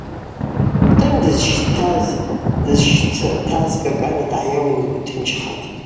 Кӏтӏым дызщтаз – Кӏакӏана – Дгӏайауын йгвы тынчхатӏ.